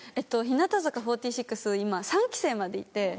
日向坂４６今３期生までいて